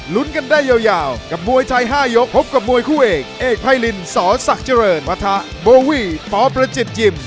ลุ้นกันได้ยาวกับมวยไทย๕ยกพบกับมวยคู่เอกเอกไพรินสศักดิ์เจริญปะทะโบวี่ปประจิตยิม